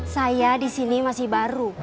saya di sini masih baru